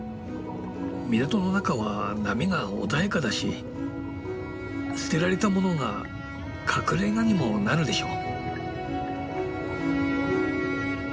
港の中は波が穏やかだし捨てられた物が隠れがにもなるでしょ。